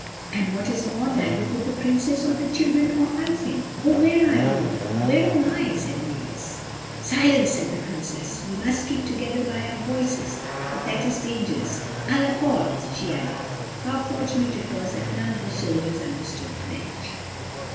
And what is more, neither could the Princess or the children or Ulfin. "Oh, where are you? Where am I?" cried Mavis. "Silence," said the Princess, "we must keep together by our voices, but that is dangerous. A la porte!" she added. How fortunate it was that none of the soldiers understood French!